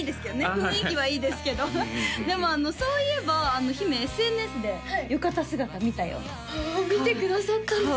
雰囲気はいいですけどでもあのそういえば姫ＳＮＳで浴衣姿見たよはあ見てくださったんですね